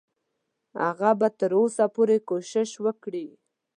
هغه به تر اوسه پورې کوشش وکړي.